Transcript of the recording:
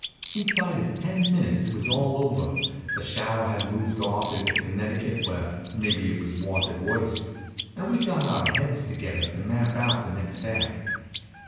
Inside of ten minutes it was all over. The shower had moved off up into Connecticut, where maybe it was wanted worse, and we got our heads together to map out the next act.